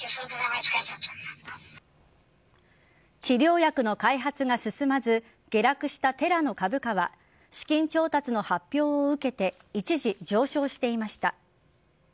治療薬の開発が進まず下落したテラの株価は資金調達の発表を受けて一時上昇していました。